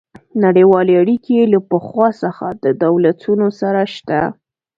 نړیوالې اړیکې له پخوا څخه د دولتونو سره شته